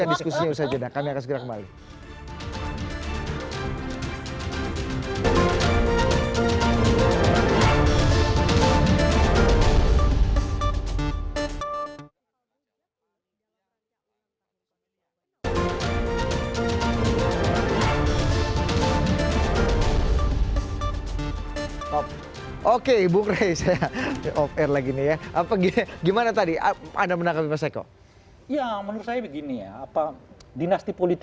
diskusi itu tergantung moderator saya harus break dulu